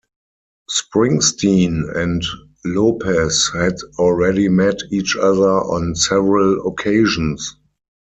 Springsteen and Lopez had already met each other on several occasions.